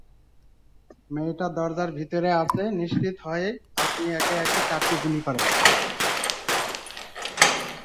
মেয়েটা দরজার ভেতরে আছে নিশ্চিত হয়েই আপনি একে একে চারটি গুলি করেন।